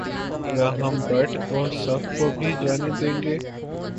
کیا ہم بٹ اور صف کو بھی جانے دیں گے